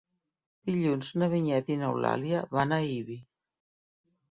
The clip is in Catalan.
Dilluns na Vinyet i n'Eulàlia van a Ibi.